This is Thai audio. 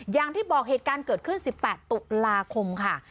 อย่างที่บอกเหตุการณ์เกิดขึ้น๑๘ตุลาคมค่ะ